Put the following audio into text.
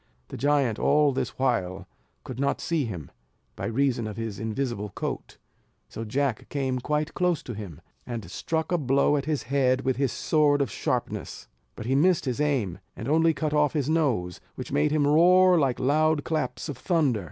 The giant all this while, could not see him, by reason of his invisible coat: so Jack came quite close to him, and struck a blow at his head with his sword of sharpness, but he missed his aim, and only cut off his nose, which made him roar like loud claps of thunder.